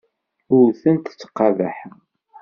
Ur tent-ttqabaḥeɣ.